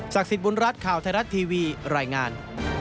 สิทธิ์บุญรัฐข่าวไทยรัฐทีวีรายงาน